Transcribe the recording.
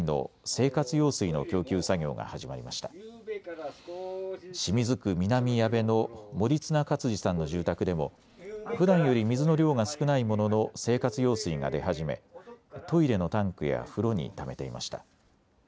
清水区南矢部の森綱勝二さんの住宅でもふだんより水の量が少ないものの生活用水が出始めトイレのタンクや風呂にためていました。